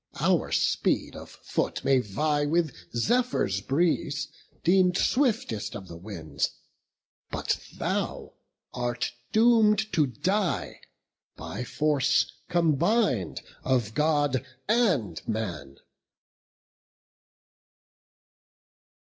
Our speed of foot may vie with Zephyr's breeze, Deem'd swiftest of the winds; but thou art doom'd To die, by force combin'd of God and man."